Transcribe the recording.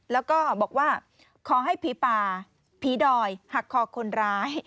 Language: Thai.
แล้วก็บอกว่าขอให้ผีป่าผีดอยหักคอคนร้าย